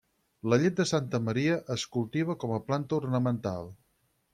La llet de Santa Maria es cultiva com a planta ornamental.